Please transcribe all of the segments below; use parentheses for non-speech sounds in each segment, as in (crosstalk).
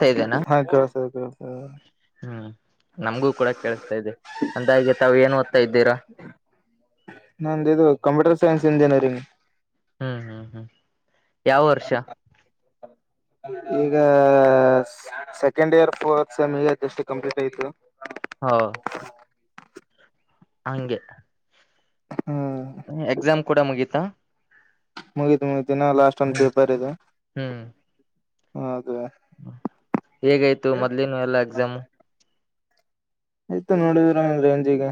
ತಾ ಇದೇನಾ ಹಾ ಕಳ್ತದೆ ಕೇಳಳ್ತದೆ ಹ್ಮ್ ನಮ್ಗೂ ಕೂಡ ಕೇಳಸ್ತಾ ಇದೆ ಅಂದ ಹಾಗೆ ತಾವು ಏನ್ ಓದ್ತಾ ಇದ್ದೀರಾ ನಂದ ಇದು ಕಂಪ್ಯೂಟರ್ ಸೈನ್ಸ್ ಇಂಜಿನಿಯರಿಂಗ್ ಹ್ಮ್ ಹ್ಮ್ ಹ್ಮ್ ಯಾವ ವರ್ಷ ಈಗ ಸೆಕೆಂಡ್ ಇಯರ್ ಫೋರ್ತ್ ಸೆಮ್ ಈಗ ಜಸ್ಟ್ ಕಂಪ್ಲೀಟ್ ಆಯ್ತು ಹೌ ಹಂಗೆ ಹಾ ಎಕ್ಸಾಮ್ ಕೂಡ ಮುಗೀತಾ ಮುಗಿದು ಮುಗಿದ್ದಿನ ಲಾಸ್ಟ್ ಒಂದ ಹ್ಮ್ ಪೇಪರ್ ಇದುದ ಹ್ಮ್ ಹೇಗಾಯ್ತು ಮೊದ್ಲೇನು ಎಲ್ಲಾ ಎಕ್ಸಾಮ್ ಆಯ್ತ್ ನೋಡಿದೀರ ರೇಂಜಿಗೆ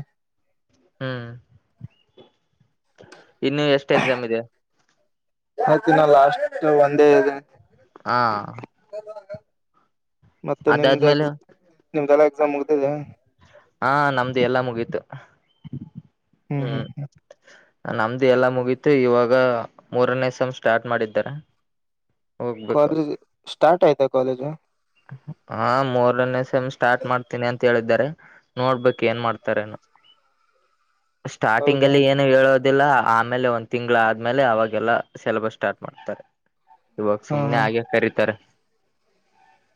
ಹ್ಮ್ ಇನ್ನು ಎಷ್ಟು ಎಕ್ಸಾಮ್ ಇದೆ ಆಯ್ತಿನ ಲಾಸ್ಟ್ ಒಂದ ಇದೆ ಹಾ ಮತ್ತೆ ನಿಮ್ದ ಎ ಅದಾದ್ಮೇಲೆ ನಿಮ್ದಲ್ಲ ಎಕ್ಸಾಮ್ ಮುಗ್ದಿದೆ ಹಾ ನಮ್ದು ಎಲ್ಲಾ ಮುಗೀತು ಹ್ಮ್ ನಮ್ದು ಎಲ್ಲಾ ಮುಗೀತು ಇವಾಗ ಮೂರನೇ ಸಮ ಸ್ಟಾರ್ಟ್ ಮಾಡಿದ್ದಾರೆ ಹೋಗ್ಬೇಕು ಕಾಲೇಜ್ ಸ್ಟಾರ್ಟ್ ಆಯ್ತಾ ಕಾಲೇಜ್ ಹಾ ಮೂರನೇ ಸಮ್ ಸ್ಟಾರ್ಟ್ ಮಾಡ್ತೀನಿ ಅಂತ ಹೇಳಿದ ನೋಡ್ಬೇಕ ಏನ್ ಮಾಡ್ತಾರೆ ಸ್ಟಾರ್ಟಿಂಗ್ ಹೌದಾ ಅಲ್ಲಿ ಏ ಹೇಳೋದಿಲ್ಲ ಆಮೇಲೆ ಒಂದ್ ತಿಂಗ್ಗಳ ಆದ್ಮೇಲೆ ಅವಾಗೆಲ್ಲ ಸೆಲಬಸ್ ಸ್ಟಾರ್ಟ್ ಮಾಡ್ತಾರೆ ಇವ ಹಾ ಹಾ ಸುಮ್ನೆ ಆಗೆ ಕರಿತರ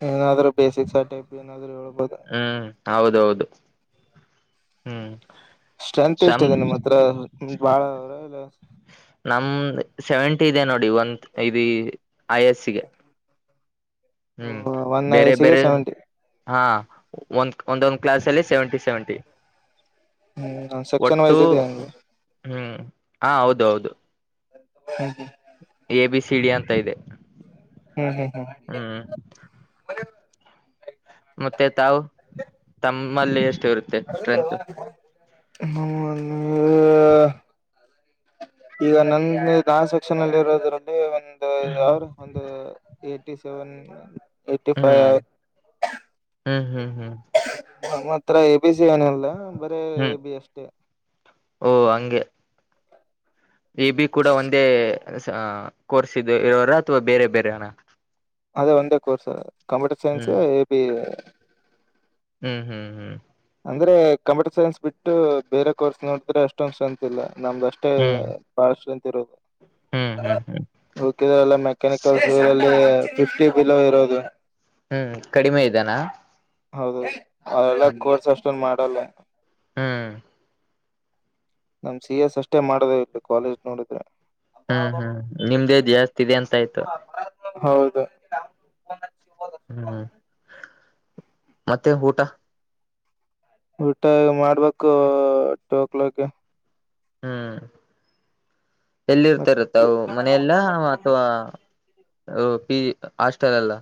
ಏನಾದ್ರು ಬೇಸಿಕ್ ಆ ಟೈಪ್ ಏನಾದ್ರು ಹೇಳ್ಬಹದು ಹ್ಮ್ ಹೌದೌದು ಹ್ಮ್ ಸ್ಟ್ರೆಂತ್ ಎಷ್ಟ ಸಮ್ ಇದೆ ನಿಮ್ಮ ಹತ್ರ ಬಾಳ ಅವಲ್ಲ ನಮ ಸೆವೆಂಟಿ ಇದೆ ನೋಡಿ ಒಂದ ಇ ಐ ಎಸ್ಗೆ ಹ್ಮ್ ಒನ್ ಬೇರೆ ವಯಸ್ಸಿಗೆ ಬೇರೆ ಸೆವೆಂಟಿ ಹಾ ಒಂದ ಒಂದೊಂದ್ ಕ್ಲಾಸ್ ಅಲ್ಲಿ ಸೆವೆಂಟಿ ಸೆವೆಂಟಿ ಹ್ಮ್ ಸೆಕ್ಷನ್ ಒಟ್ಟು ವೈಸ್ ಇದೆಯಂಗೆ ಹ್ಮ್ ಹ ಹೌದ ಹೌದು ಹ್ಮ್ ಎ ಬಿ ಸಿ ಡಿ ಅಂತ ಇದೆ ಹ್ಮ್ ಹ್ಮ್ ಹ್ಮ್ ಹ್ಮ ಮತ್ತೆ ತಾವು ತಮ್ಮಲ್ಲಿ ಎಷ್ಟು ಇರುತ್ತ (unintelligible) ಈಗ ನನ್ ದಾ ಸೆಕ್ಷನ್ ಅಲ್ಲಿ ಇರೋದ್ರಲ್ಲಿ ಒಂದು ಯಾರ ಒಂದ ಎಟಿಸವೆನ್ ಎಟಿಫೈವ್ ಹ್ಮ್ ಹ್ಮ್ ಹ್ಮ್ ಹ್ಮ್ (unintelligible) ನಮ್ಮ ಹತ್ರ ಎ ಬಿ ಸಿ ಏನಲ್ಲ ಬರೇ ಎ ಹ್ಮ್ ಬಿ ಅಷ್ಟೇ. ಓ ಹಂಗೆ. ಎ ಬಿ ಕೂಡ ಒಂದೇ ಕೋರ್ಸ್ ಇ ಇರೋರ ಅಥವಾ ಬೇರೆ ಬೇರೆನ ಅದೇ ಒಂದೇ course computer science hmm A B A ಹ್ಮ್ ಹ್ಮ್ ಹ್ಮ್ ಅಂದ್ರೆ ಕಂಪ್ಯೂಟರ್ ಸೈನ್ಸ್ ಬಿಟ್ಟು ಬೇರೆ ಕೋರ್ಸ್ ನೋಡಿದ್ರೆ ಅಷ್ಟೊಂದ ಸ್ಟ್ರತ ಇಲ್ಲ ನಮ್ದು ಅಷ್ಟು ಎ ಹ್ಮ್ ಬಾಳ ಸ್ಟ್ರೆಂತ್ ಇರೋದ್ ಹ್ಮ್ ಹ್ಮ್ ಹ್ಮ್ (unintelligible) ಓಕೆ ಎಲ್ಲ ಮೆಕ್ಯಾನಿಕಲ್ಲ್ಲಿ ಫಿಫ್ಟಿ ಬಿಲೋ ಇರೋದು. ಹ್ಮ್ ಕಡಿಮೆ ಇದಾನ ಹೌದು ಅವೆಲ್ಲ ಹ್ಮ್ ಕೋರ್ಸ್ ಅಷ್ಟೊನ್ ಮಾಡಲ್ಲ. ಹ್ಮ್ ನಮ್ ಸಿ ಎಸ್ ಅಷ್ಟೇ ಮಾಡ ಬೇಕ್ ಇತ್ತ ಕಾಲೇಜ್ ನೋಡಿದ್ರೆ. ಹ್ಮ್ ಹ್ಮ್ ನಿಮ್ದೇ ಜಾಸ್ತಿ ಇದೆ ಅಂತ ಆಯ್ತು. ಹೌದು ಹ್ಮ್ ಮತ್ತೆ ಊಟ. ಊಟ ಮಾಡ್ಬೇಕು ಟೂ ಓ ಕ್ಲಾಕ್ಗೆ. ಹ್ಮ್ ಎಲ್ಲಿ ಇರ್ತರತ್ತ ಮತ್ತ ತಾವು ಮನೆಯಲ್ಲ ವಾ ಪಿಿ ಹಾಸ್ಟೆಲ್ ಅಲ್ಲ.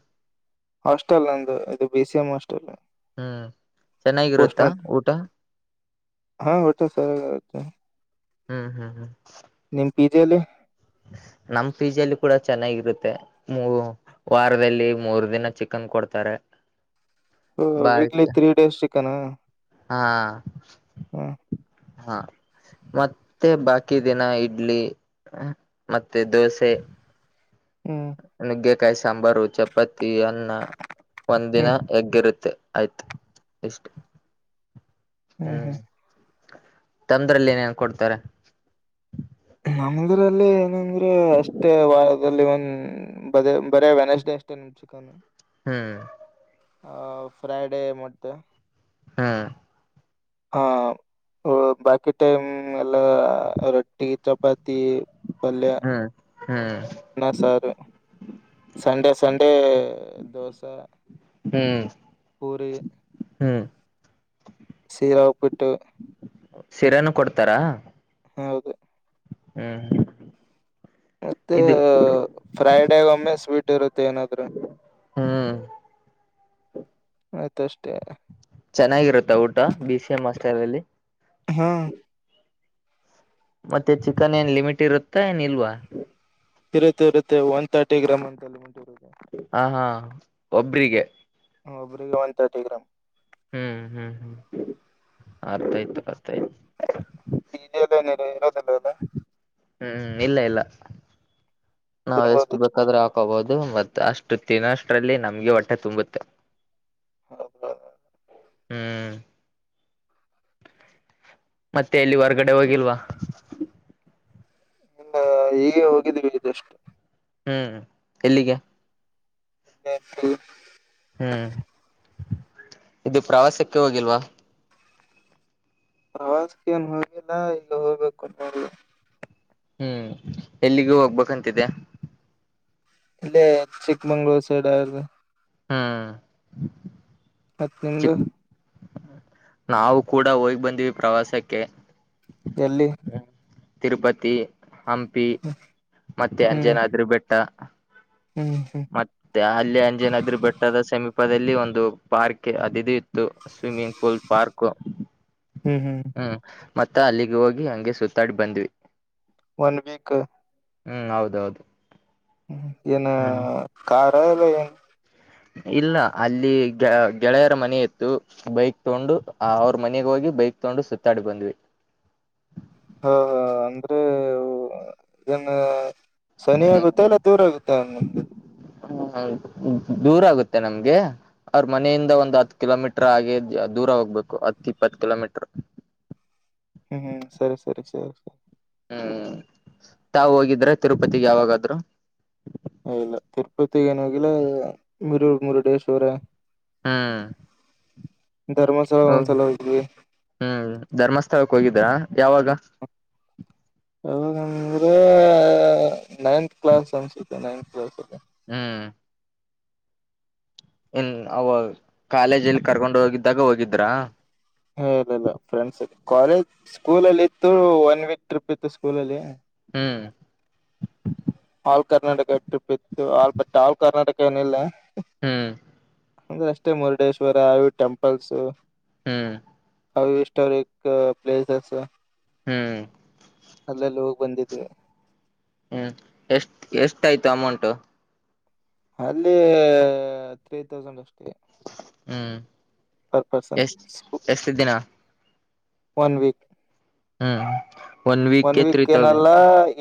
ಹಾಸ್ಟೆಲ್ ನಂದು ಇದು ಬಿ ಸಿ ಎಂ ಹಾಸ್ಟೆಲ್. ಹ್ಮ್ ಚೆನ್ನಾಗಿರುತ್ತಾ ಊಟ. ಹು ಊಟ ಸರಿಯಾಗತ್ತೆ. ಹ್ಮ್ ಹ್ಮ್ ಹ್ಮ್ ನಿಮ್ ಪಿಜಲ್ಲಿ ನಮ್ ಫ್ರೀಜ್ ಅಲ್ಲಿ ಕೂಡ ಚೆನ್ನಾಗಿರುತ್ತೆ ಮೂ ವಾರದಲ್ಲಿ ಮೂರ್ ದಿನ ಚಿಕನ್ ಕೊಡ್ತಾರೆ. ಹು ವೀಕ್ಲಿ ಬಾಕಿ ತ್ರೀ ಡೇಸ್ ಸಿಿಕನಾ. ಹಾ (inaudible) ಹಾ ಮತ್ತೆ ಬಾಕಿ ದಿನ ಇಡ್ಲಿ (unintelligible) ಹಾ ಮತ್ತೆ ದೋಸೆ. ಹ್ಮ್ ನುಗ್ಗೆಕಾಯಿ ಸಾಂಬಾರು ಚಪಾತಿ ಅನ್ನ ಒಂದ ದಿನ ಹ್ಮ್ ಯಗ್ಗ. ಇರುತ್ತೆ. ಆಯ್ತು ಎಷ್ಟ (unintelligible) ಹ್ಮ್ ತಂದ್ರಲ್ಲಿ ಏನ ಏನ್ ಕೊಡ್ತಾರೆ. ನಮ್ಮದ್ರಲ್ಲಿ ಏನಂದ್ರೆ ಅಷ್ಟೇ ವಾ ಅಲ್ಲಿ ಒನ್ ಬರೇ ಬರೆ ವೆನಸ್ಡ ಅಷ್ಟೇ ಚಿಕನ್. ಹ್ಮ್ ಆ ಫ್ರೈಡೆ ಮತ್ತೆ. ಹಾ ಹಾ ಒಹ್ ಬಾಕಿ ಟೈಮ್ ಎಲ್ಲ ರೊಟ್ಟಿ ಚಪಾತಿ ಪಲ್ಯಾ. ಹ್ಮ್ ಹ್ಮ್ ನ ಸಾರ (inaudible) ಸಂಡೆ ಸಂಡೇ ದೋಸೆ ಹ್ಮ್ ಪೂರಿ ಹ್ಮ್ (inaudible) ಸೀರಾವ ಪಿಟ್ಟು ಸಿರಾ ನು ಕೊಡ್ತಾರಾ ಹ ಹೌದು ಹ್ಮ್ ಹ ಮತ್ತೆ ಫ್ರೈಡ್ ಆಗ ಒಮ್ಮೆ ಸ್ವೀಟ್ ಇರುತ್ತೆ ಮತ್ತ ಏನಾದ್ರೂ ಹ್ಮ್ (unintelligible) ಆಯ್ತ ಅಷ್ಟೇ ಚೆನ್ನಾಗಿರುತ್ತ ಊಟ ಬಿ ಸಿ ಎಂ ಮಾಸ್ಟರ್ ಅಲ್ಲಿ ಹಾ ಮತ್ತೆ ಚಿಕನ್ ಏನ್ ಲಿಮಿಟ್ ಇರುತ್ತಾ ಏನ್ ಇಲ್ವಾ ಇರುತ್ತೆ ಇರುತ್ತೆ ಒನ್ ತರ್ಟಿ ಗ್ರಾಮ ಅಂತಲ್ಲಿ ಉಂಟಿರುದು ಹಾ ಹಾ ಒಬ್ರರಿಗೆ ಒಬರಿಗೆ ಒನ್ ತರ್ಟಿ ಗ್ರಾಮ್ (inaudible) ಹ್ಮ್ ಹ್ಮ್ ಹ್ಮ್ ಅರ್ಥ ಆಯ್ತು ಅರ್ಥಾಯಯ್ತು ಜಲ್ಲ ಇರೋದಿಲ್ಲ ಅಲ್ಲ ಹ್ಮ್ ಇಲ್ಲ ಇಲ್ಲ ನಾವ ತಿನ್ಬೋದು ಎಷ್ಟು ಬೇಕಾದ್ರೆ ಹಾಕೋಬಹುದು ಮತ್ ಅಷ್ಟು ತಿಿನೋಷ್ಟರಲ್ಲಿ ನಮ್ಗೆ ಒಟ್ಟೆ ತುಂಬುತ್ತೆ (inaudible) ಹ್ಮ್ ಮತ್ತೆ ಎಲ್ಲಿ ಹೊರ್ಗಡೆ ಹೋಗಿಲ್ವಾ ಹ ಹೀಗೆ ಹೋಗಿದ್ವಿ ಇದದೆಷ್ಟು ಹ್ಮ್ ಎಲ್ಲಿಗೆ ಸ (inaudible) ಹ್ಮ್ ಇದು ಪ್ರವಾಸಕ್ಕೆ ಹೋಗಿಲ್ವಾ ಪ್ರವಾಸಕ್ಕೆೇಏನು ಹೋಗಿಲ್ಲ ಈಗ ಹೋಗ್ಬೇಕು ಅ (inaudible) ಹ್ಮ್ ಎಲ್ಲಿಗೂ ಹೋಗ್ಬೇಕಂತಿದೆ ಇಲ್ಲೇ ಚಿಕ್ಕಮಂಗ್ಳೂರು ಸೈಡ್ ಆ ಹ್ಮ್ ಮತ್ ಚ ನಿಮ್ದು ನಾವು ಕೂಡ ಹೋಗ್ ಬಂದಿವವಿ ಪ್ರವಾಸಕ್ಕೆ ಎಲ್ಲಿ ತಿರುಪತಿ ಹಂಪಿ ಮತ್ತೆ ಹ್ಮ್ ಅಂಜನಾದ್ರ ಬೆಟ್ಟ ಹ್ಮ್ ಹ್ಮ್ ಮತ್ತೆ ಅಲ್ಲಿ ಅಂಜನಾದ್ರಿ ಬೆಟ್ಟದ ಸಮೀಪದಲ್ಲಿ ಒಂದು ಪಾರ್ಕ್ ಅದು ಇದು ಇತ್ತು ಸ್ವಿಮ್ಮಿಂಗ್ ಪೂಲ್ ಪಾರ್ಕು ಹ್ಮ್ ಹ್ಮ್ ಮತ್ತ ಅಲ್ಲಿಗೆ ಹೋಗಿ ಹಂಗೆ ಸುತ್ತಾಡಿ ಬಂದ್ವಿ ಒನ್ ವೀಕ್ ಹ್ಮ್ ಹೌದೌದು ಹ್ಮ ಏನ ಹ್ಮ್ ಕಾರಾ ಇಲ್ಲ ಏನ್ ಇಲ್ಲ ಅಲ್ಲಿ ಗೆಳೆಯರ ಮನೆ ಇತ್ತು ಬೈಕ್ ತಗೊಂಡು ಅವ್ರ ಮನೆಗೆ ಹೋಗಿ ಬೈಕ್ ತೊಂಡು ಸುತ್ತಾಡಿ ಬಂದ್ವಿ ಹಾ ಹಾ ಅಂದ್ರೆ ಏನ್ ಸನಿ ಆಗುತ್ತೆ ಇಲ್ಲ ದೂರ ಆಗುತ್ತೆ ನಮ್ಗೆ ಹ್ಮ ದೂರ ಆಗುತ್ತೆ ನಮ್ಗೆ ಅವ್ರ ಮನೆಯಿಂದ ಒಂದ್ ಹತ್ ಕಿಲೋಮೀಟರ್ ಆಗ ದೂರ ಹೋಗ್ಬೇಕು ಹತ್ ಇಪ್ಪತ್ತು ಕಿಲೋಮೀಟರ್. ಹ್ಮ್ ಹ್ಮ್ ಸರಿ ಸರಿ ಸರಿ ಸರಿ. ಹ್ಮ್ ತಾವ ಹೋಗಿದ್ರಾ ತಿರುಪತಿಗೆ ಯಾವಾಗಾದ್ರೂ. ಇಲ್ಲ ತಿರುಪತಿಗ ಏನ ಹೋಗಿಲ್ಲಾ ಮೂರು ಮುರುಡೇಶ್ವರಾ. ಹ್ಮ್. ಡ್ರಾಮಸ್ಥಳ ಒಂದ್ಸಲ ಹೋಗಿವಿ. ಹ್ಮ್ ಧರ್ಮಸ್ಥಳಕ್ ಹೋಗಿದ್ದ ಯಾವಾಗ. ಯಾವಾಗಂದ್ರೆ ನೈನ್ತ್ ಕ್ಲಾಸ್ ಅನ್ಸುತ್ತೆ ನೈನ್ತ್ ಕ್ಲಾಸ್ಲ್ಲಿ. ಹ್ಮ್. ಹ್ಮ್ ಅವಾಗ ಕಾಲೇಜಲ್ಲಿ ಕರ್ಕೊಂಡು ಹೋಗಿದ್ದಾಗ ಹೋಗಿದ್ರಾ. ಏ ಇಲ್ಲ ಇಲ್ಲ ಫ್ರೆಂಡ್ಸ್ ಕಾಲೇಜ್ ಸ್ಕೂಲಲ್ಲಿ ಇತ್ತು ಒನ್ ವೀಕ್ ಟ್ರಿಪ್ ಇತ್ತು ಸ್ಕೂಲ ಅಲ್ಲಿ. ಹ್ಮ್. ಆಲ್ ಕರ್ನಾಟಕ ಟಿಪ್ ಇತ್ತು ಆ ಬಟ್ ಆಲ್ ಕರ್ನಾಟಕ ಏನ ಇಲ್ಲ. ಹ್ಮ್. ಅಂದ್ರೆ ಅಷ್ಟೇ ಮುರುಡೇಶ್ವರ ಅವು ಟೆಂಪಲ್ಸ್. ಹ್ಮ್. (unintelligible) ಹ್ಮ್. ಅಲ್ಲೆಲ್ಲಿ ಹೋಗಿ ಬಂದಿದ್ವಿ. ಹ್ಮ್ ಎಷ್ಟ್ ಎಷ್ಟ ಆಯ್ತು ಅಮೌಂಟ್. ಅಲ್ಲಿ ತ್ರೀ ತೌಸಂಡ್ ಅಷ್ಟೇ. ಹ್ಮ್ ಪರ್ ಪರ್ಸನ್ ಎಷ್ಟ ಎಷ್ಟ್ ದಿನಾ. One week. ಹ್ಮ್. ಒನ್ ವೀಕ್ಗೆ ತ್ರೀ ವೀಕ್ ತೌಸಂಡ್ ಏನಲ್ಲಾ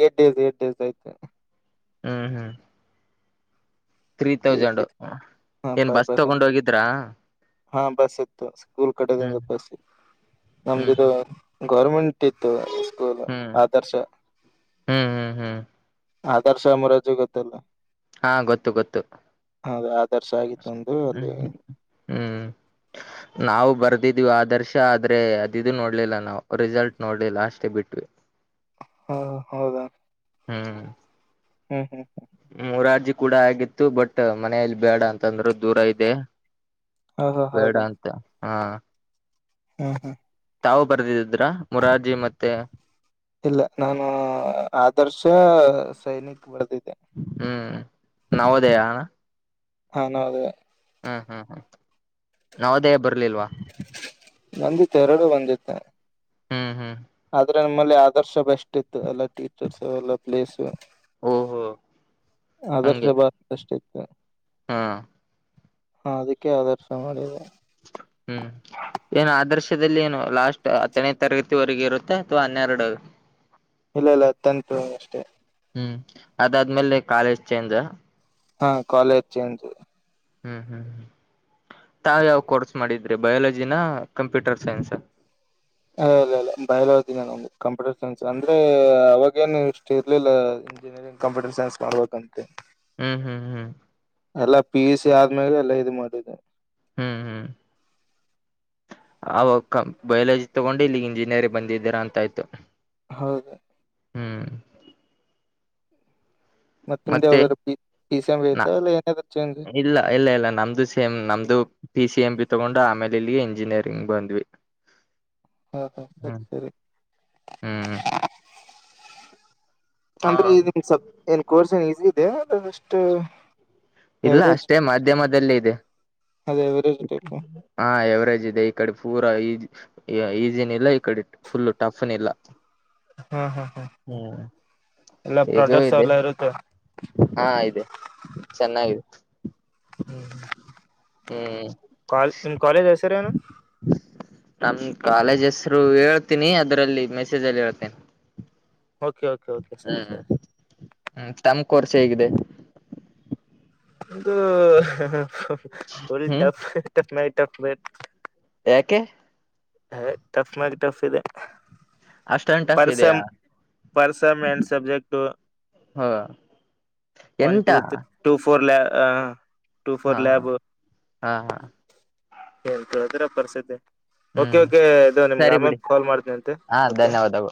ಏಟ್ ಡೇಸ್ ಏಟ್ ಡೇಸ್ ಐತೆ. ಹ್ಮ್ ಹ್ಮ್. ತ್ರೀ ಏಟ್ ತೌಸಂಡ್ ಡೇಸ್ ಹಾ ಏನ್ ಪರ್ ಬಸ್ ಪರ್ಸನ್ ತಗೊಂಡ ಹೋಗಿದ್ರಾ. ಹಾ ಬಸ್ ಇತ್ತು ಸ್ಕೂಲ್ ಹ್ಮ್ ಕಡೆದಿಂದ ಬಸ್. ಹ್ಮ್ ನಮ್ದಿದದು ಗೌರ್ಮೆಂಟ್ ಇತ್ತು ಸ್ಕೂಲ್ ಹ್ಮ್ ಆದರ್ಶ. ಹ್ಮ್ ಹ್ಮ್ ಹ್ಮ್ ಆದರ್ಶಾ ಮುರಾರ್ಜಿ ಗೊತ್ತಲ್ಲ. ಹಾ ಗೊತ್ತು ಗೊತ್ತು. ಆದರ್ಸ ಆಗಿತ್ತು ನಂದು ಅಲ್ಲಿ. ಹ್ಮ್ ಹ್ಮ್. ನಾವು ಬರ್ದಿದ್ವಿ ಆದರ್ಶ ಆದ್ರೆ ಅದಿದದು ನೋಡ್ಲಿಲ್ಲ ನಾವು ರಿಸಲ್ಟ್ ನೋಡ್ಲಿಲ್ಲ ಅಷ್ಟೇ ಬಿಟ್ವಿ. ಹಾ ಹೌದಾ. ಹ್ಮ್. ಹ್ಮ್ ಹ್ಮ್. ಮೂರಾರ್ಜಿ ಕೂಡ ಆಗಿತ್ತು ಬಟ್ ಮನೆಯಲ್ಲಿ ಬೇಡ ಅಂತಂದ್ರರು ದೂರ ಇದೆ. ಹ ಹ ಬೇಡ ಹೌದಾ ಅಂತ ಹಾ. ಹಾ ಹಾ. ತಾವು ಬರೆದಿದ್ರ ಮೂರಾರ್ಜಿ ಮತ್ತೆ. ಇಲ್ಲ ನಾನು ಆದರ್ಶ ಸೈನಕ್ ಬರೆದಿದ್ದೆ. ಹ್ಮ್ ನವೋದಯ. ಹ ನವೋದಯ. ಹ್ಮ್ ಹ್ಮ್ ಹ್ಮ್ ನವೋದಯ ಬರ್ಲಿಲ್ವಾ. ನಂಗು ತೈರಾಡ್ ಬಂದಿತ್ತು. ಹು ಹು. ಆದ್ರೆ ನಮ್ಮಲ್ಲಿ ಆದರ್ಶ ಬೆಸ್ಟ್ ಇತ್ತು ಎಲ್ಲ ಟೀಚರ್ಸ್ ಎಲ್ಲ ಪ್ಲೇಸು. ಓಹೋ ಆದರ್ಶ ಬಾಳ ಬೆಸ್ಟ್ ಇತ್ತು. ಹು. ಹ ಅದಕ್ಕೆ ಆದರ್ಶ ಮಾಡಿಲ್ಲಾ. ಹು. ಏನು ಆದರ್ಶದಲ್ಲಿ ಏನು ಲಾಸ್ಟ್ ಹತ್ತನೇ ತರಗತಿವರೆಗ ಇರುತ್ತೆ ಅಥವಾ ಹನ್ನೆರಡು ಇಲ್ಲ ಇಲ್ಲ ತ್ಯೆಟು ಅಷ್ಟೇ. ಹು ಅದಾದ್ಮೇಲೆ ಕಾಲೇಜ್ ಚೇಂಜ್. ಹಾ ಕಾಲೇಜ್ ಚೇಂಜ್. ಹು ಹು ತಾವ್ ಯಾವ ಕೋರ್ಸ್ ಮಾಡಿದ್ರಿ ಬಯಾಲಜಿನ ಕಂಪ್ಯೂಟರ್ ಸೈನ್ಸ್. ಅ ಇಲ್ಲ ಇಲ್ಲ ಬಯಲುಜೀನೆ ನಮ್ಮದು. ಕಂಪ್ಯೂಟರ್ ಸೈನ್ಸ್ ಅಂದ್ರೆ ಅವಾಗೇನು ಇಷ್ಟು ಇರ್ಲಿಲ್ಲ. ಬೇರೆ ಕಂಪ್ಯೂಟರ್ ಸೈನ್ಸ್ ಮಾಡಬೇಕಂತೆ. ಉಹು. ಎಲ್ಲ ಪಿ ಯು ಸಿ ಆದ್ಮೇಲೆ ಎಲ್ಲ ಇದು ಮಾಡಿದೆ. (inaudible) ಆವಾಗ ಕ ಬಯಾಲಜಿ ತಗೊಂಡು ಇಲ್ಲಿಗೆ ಇಂಜಿನಿಯರಿಗೆ ಬಂದಿದ್ದಿರಾ ಅಂತಾಯ್ತು. ಹೌದು. ಮತ್ತೆ ನಿಮ್ದ್ ಯಾವ್ದಾದ್ ಪಿ ಪಿ ಸಿ ಎಮ್ ಇರ್ತಾವ ಅಲ್ಲ ಏನಾದರ ಚೆಜ್ ಇಲ್ಲ ಇಲ್ಲ ನಮ್ದು ಸೇಮ್ ನಮ್ದು ಪಿ ಸಿ ಎಂ ಬಿ ತಗೊಂಡು ಆಮೇಲೆ ಇಲ್ಲಿ ಇಂಜಿನಿಯರಿಂಗ್ ಬಂದ್ವಿ. ಹಾ ಹಾ ಸರಿ ಸರಿ. ಹು. ಆ, ಅಂದ್ರೆನ್ ಸಬ್ ಏನ್ ಕೋರ್ಸ್ ಏನ್ ಈಸಿ ಇದೆ ಅಷ್ಟ. ಇಲ್ಲ ಅಷ್ಟೇ ಮಾಧ್ಯಮದಲ್ಲೇ ಇದೆ ಅದ ಎವರೇಜ್ ಟೈಪ್ ಹಂ ಎವರೇಜ್ ಇದೆ ಇಕ್ಕಡೆ ಪೂರ ಈ ಈಜಿ ಇಲ್ಲ ಈ ಕಡೆ ಫುಲ್ಲ ಟಫ್ನ ಇಲ್ಲ ಹ್ಮ್ ಹ್ಮ್ ಹ್ಮ ಹ್ಮ್ ಎಲ್ಲ ಹೇಗೋ ಪ್ರಾಡಕ್ಟ್ಸ್ ಇದೆ ಎಲ್ಲ ಇರುತ್ತೆ ಹಾ ಇದೆ ಚೆನ್ನಾಗಿದೆ ಹ್ಮ್ ಹ್ಮ್ ಕಾಲ್ ನಿಮ್ ಕಾಲೇಜ್ ಹೆಸರೇನು ನಮ ಕಾಲೇಜ್ ಹೆಸರು ಹೇಳ್ತೀನಿ ಅದ್ರಲ್ಲಿ ಮೆಸೇಜ್ ಅಲ್ಲಿ ಹೇಳ್ತೇನೆಿ ಓಕೆ ಕೆ ಹ್ಮ್್ಮ ತಮಕ್ ವರ್ಷ ಹೇಗಿದೆ ಒಂದ್ ಹ್ಹಹ್ಹಹ್ಹ ಹೊಡಿ ಹ್ಮ್ ಟಫ್ ಟಫ್ ನ ಟಫ್ ನೆ. ಯಏಕೆ ಹ ಟಫ್ ಮಾಗ ಟಫ್ ಇದೆ ಅಷ್ಟೊನ್ ಟಫ್ ಇದೆಯಾ ಪರ್ಸಮ ಪರ್ಸಮ್ ಎಂಡ್ ಸಬ್ಜೆಕ್ಟು ಹ ಒನ್ ಎಂಟ ಟೂ ತ್ರಿ ಟೂ ಫೋರ್ ಲ ಟೂ ಹಾ ಫೋರ್ ಲಯಬ್ ಹಾ ಹಾ ಹಾ ಏನ್ ಕೇಳ್ತೀರಾ ಪರಿಸ್ಥಿತಿ ಓಕೆ ಹ್ಮ್ ಓಕೆ ಇ ನಿಮ್ಗೆ ಸರಿ ಅಮ ಬಿಡಿ ಕಾಲ್ ಮಾಡ್ತೀನಿ ಅಂತೆ ಹಾ ಧನ್ಯವಾದಗಳು.